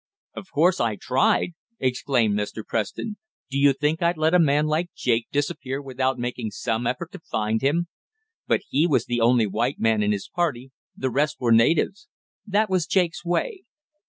"Of course I tried!" exclaimed Mr. Preston. "Do you think I'd let a man like Jake disappear without making some effort to find him? But he was the only white man in his party, the rest were natives. That was Jake's way.